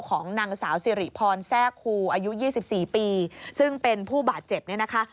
ของนางสาวสิริพรแทรกครูอายุ๒๔ปีซึ่งเป็นผู้บาดเจ็บเนี่ยนะคะ